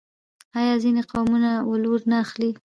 آیا ځینې قومونه ولور نه اخلي؟